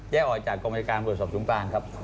แยกออกจากกรมจักรบรสอบจุงปลางครับ